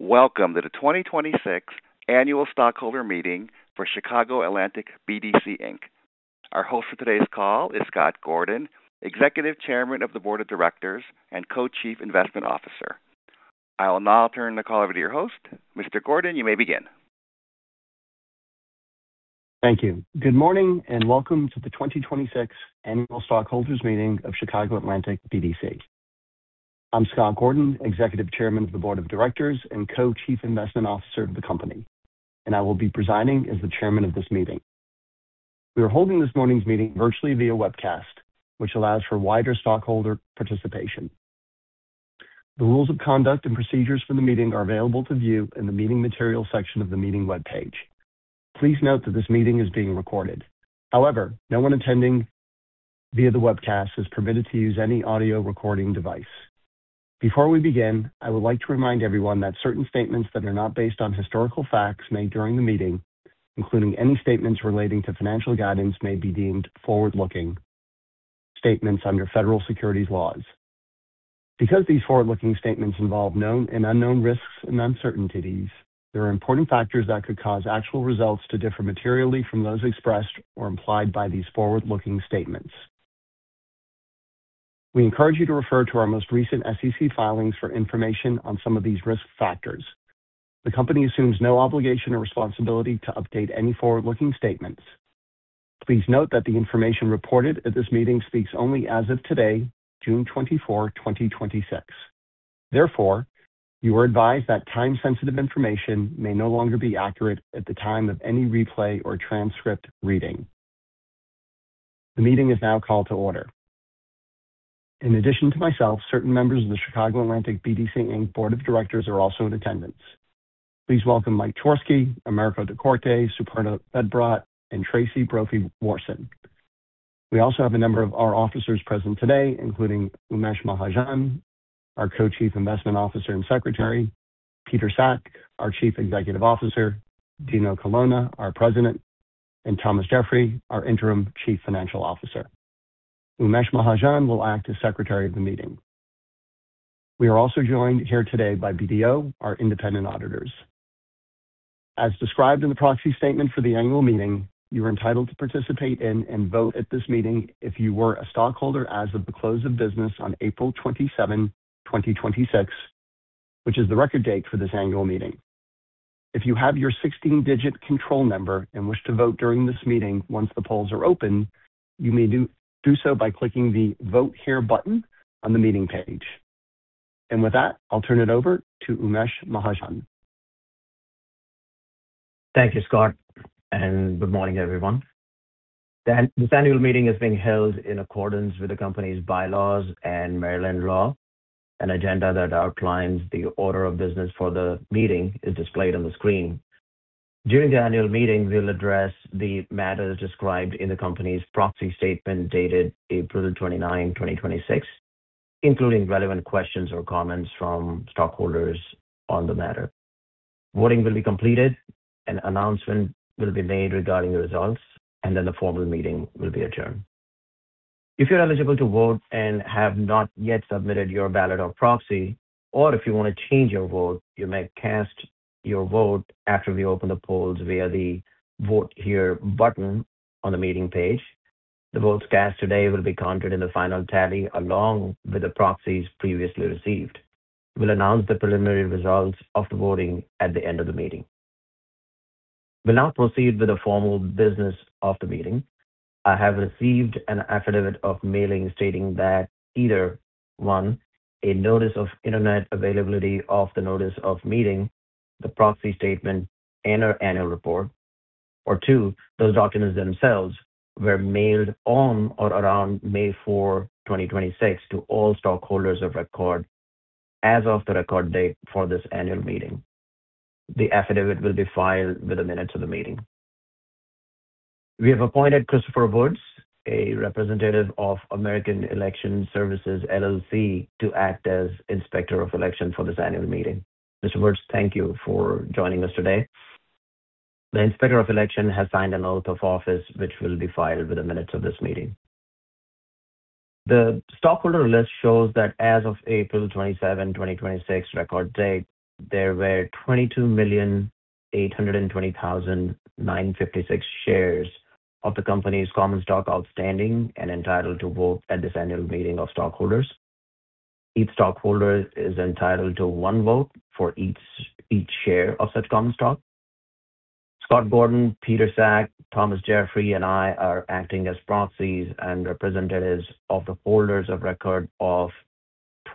Welcome to the 2026 annual stockholder meeting for Chicago Atlantic BDC, Inc. Our host for today's call is Scott Gordon, Executive Chairman of the Board of Directors and Co-Chief Investment Officer. I will now turn the call over to your host. Mr. Gordon, you may begin. Thank you. Good morning, welcome to the 2026 annual stockholders meeting of Chicago Atlantic BDC. I'm Scott Gordon, Executive Chairman of the Board of Directors and Co-Chief Investment Officer of the company, and I will be presiding as the Chairman of this meeting. We are holding this morning's meeting virtually via webcast, which allows for wider stockholder participation. The rules of conduct and procedures for the meeting are available to view in the meeting materials section of the meeting webpage. Please note that this meeting is being recorded. No one attending via the webcast is permitted to use any audio recording device. Before we begin, I would like to remind everyone that certain statements that are not based on historical facts made during the meeting, including any statements relating to financial guidance, may be deemed forward-looking statements under federal securities laws. These forward-looking statements involve known and unknown risks and uncertainties, there are important factors that could cause actual results to differ materially from those expressed or implied by these forward-looking statements. We encourage you to refer to our most recent SEC filings for information on some of these risk factors. The company assumes no obligation or responsibility to update any forward-looking statements. Please note that the information reported at this meeting speaks only as of today, June 24, 2026. You are advised that time-sensitive information may no longer be accurate at the time of any replay or transcript reading. The meeting is now called to order. In addition to myself, certain members of the Chicago Atlantic BDC, Inc. Board of Directors are also in attendance. Please welcome Mike Chorske, Americo Da Corte, Supurna VedBrat, and Tracey Brophy Warson. We also have a number of our officers present today, including Umesh Mahajan, our Co-Chief Investment Officer and Secretary, Peter Sack, our Chief Executive Officer, Dino Colonna, our President, and Thomas Geoffroy, our Interim Chief Financial Officer. Umesh Mahajan will act as Secretary of the meeting. We are also joined here today by BDO, our independent auditors. As described in the proxy statement for the annual meeting, you are entitled to participate in and vote at this meeting if you were a stockholder as of the close of business on April 27, 2026, which is the record date for this annual meeting. If you have your 16-digit control number and wish to vote during this meeting, once the polls are open, you may do so by clicking the Vote Here button on the meeting page. With that, I'll turn it over to Umesh Mahajan. Thank you, Scott. Good morning, everyone. This annual meeting is being held in accordance with the company's bylaws and Maryland law. An agenda that outlines the order of business for the meeting is displayed on the screen. During the annual meeting, we'll address the matters described in the company's proxy statement dated April 29, 2026, including relevant questions or comments from stockholders on the matter. Voting will be completed, an announcement will be made regarding the results, the formal meeting will be adjourned. If you're eligible to vote and have not yet submitted your ballot or proxy, or if you want to change your vote, you may cast your vote after we open the polls via the Vote Here button on the meeting page. The votes cast today will be counted in the final tally, along with the proxies previously received. We'll announce the preliminary results of the voting at the end of the meeting. We'll now proceed with the formal business of the meeting. I have received an affidavit of mailing stating that either, one, a notice of internet availability of the notice of meeting, the proxy statement, and our annual report, or two, those documents themselves were mailed on or around May 4, 2026, to all stockholders of record as of the record date for this annual meeting. The affidavit will be filed with the minutes of the meeting. We have appointed Christopher Woods, a representative of American Election Services, LLC, to act as Inspector of Election for this annual meeting. Mr. Woods, thank you for joining us today. The Inspector of Election has signed an oath of office, which will be filed with the minutes of this meeting. The stockholder list shows that as of April 27, 2026, record date, there were 22,820,956 shares of the company's common stock outstanding and entitled to vote at this annual meeting of stockholders. Each stockholder is entitled to one vote for each share of such common stock. Scott Gordon, Peter Sack, Thomas Geoffroy, and I are acting as proxies and representatives of the holders of record of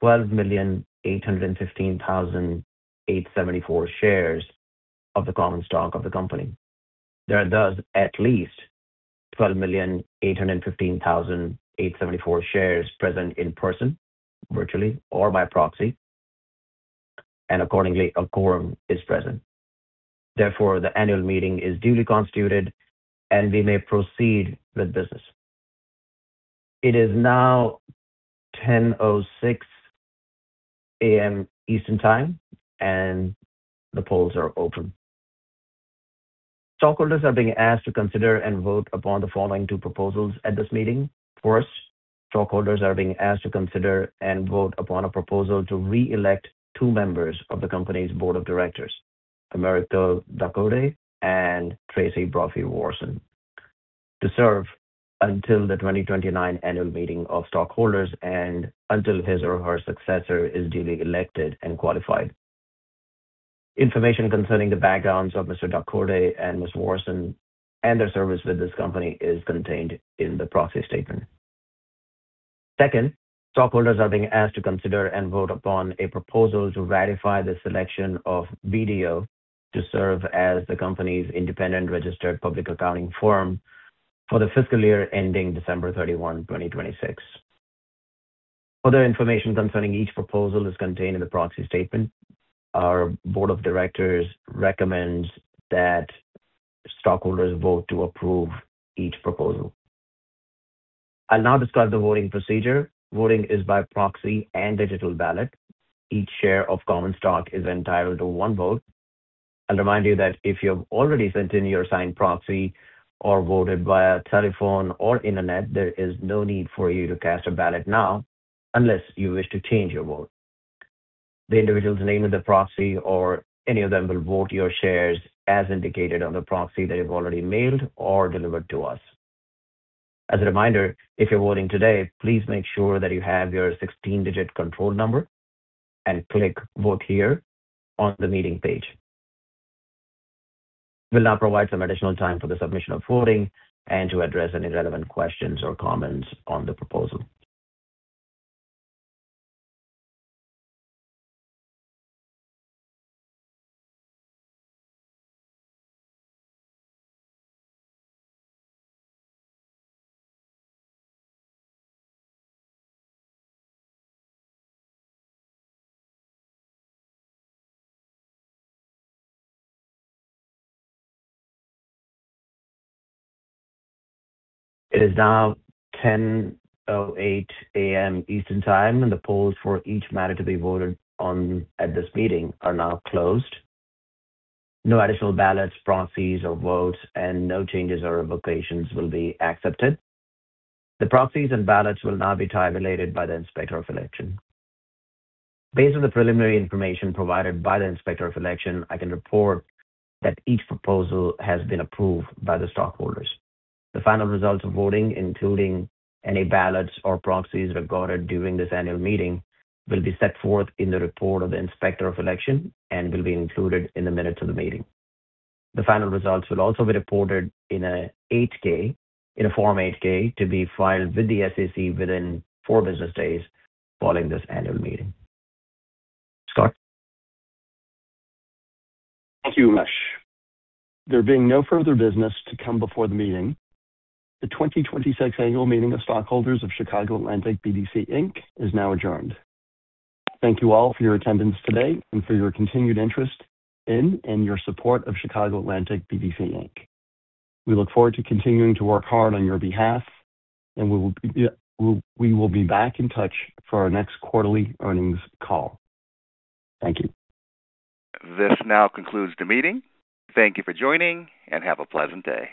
12,815,874 shares of the common stock of the company. There are, thus, at least 12,815,874 shares present in person, virtually, or by proxy, a quorum is present. Therefore, the annual meeting is duly constituted, we may proceed with business. It is now 10:06 A.M. Eastern Time, the polls are open. Stockholders are being asked to consider and vote upon the following two proposals at this meeting. First, stockholders are being asked to consider and vote upon a proposal to reelect two members of the company's board of directors, Americo Da Corte and Tracey Brophy Warson, to serve until the 2029 annual meeting of stockholders and until his or her successor is duly elected and qualified. Information concerning the backgrounds of Mr. Da Corte and Ms. Warson and their service with this company is contained in the proxy statement. Second, stockholders are being asked to consider and vote upon a proposal to ratify the selection of BDO to serve as the company's independent registered public accounting firm for the fiscal year ending December 31, 2026. Other information concerning each proposal is contained in the proxy statement. Our board of directors recommends that stockholders vote to approve each proposal. I'll now describe the voting procedure. Voting is by proxy and digital ballot. Each share of common stock is entitled to one vote. I'll remind you that if you've already sent in your signed proxy or voted via telephone or internet, there is no need for you to cast a ballot now unless you wish to change your vote. The individual's name in the proxy or any of them will vote your shares as indicated on the proxy that you've already mailed or delivered to us. As a reminder, if you're voting today, please make sure that you have your 16-digit control number and click Vote Here on the meeting page. We'll now provide some additional time for the submission of voting and to address any relevant questions or comments on the proposal. It is now 10:08 A.M. Eastern Time. The polls for each matter to be voted on at this meeting are now closed. No additional ballots, proxies, or votes, no changes or revocations will be accepted. The proxies and ballots will now be tabulated by the Inspector of Election. Based on the preliminary information provided by the Inspector of Election, I can report that each proposal has been approved by the stockholders. The final results of voting, including any ballots or proxies recorded during this annual meeting, will be set forth in the report of the Inspector of Election and will be included in the minutes of the meeting. The final results will also be reported in a Form 8-K to be filed with the SEC within four business days following this annual meeting. Scott? Thank you, Umesh. There being no further business to come before the meeting, the 2026 annual meeting of stockholders of Chicago Atlantic BDC Inc. is now adjourned. Thank you all for your attendance today and for your continued interest in and your support of Chicago Atlantic BDC Inc. We look forward to continuing to work hard on your behalf. We will be back in touch for our next quarterly earnings call. Thank you. This now concludes the meeting. Thank you for joining. Have a pleasant day.